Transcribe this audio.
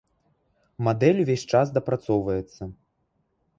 Мадэль увесь час дапрацоўваецца.